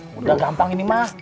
mudah gampang ini ma